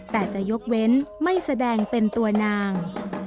แต่จะยกเว้นไม่แสดงเป็นตัวนาง